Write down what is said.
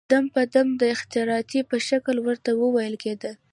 دم په دم د اخطارې په شکل ورته وويل کېدل.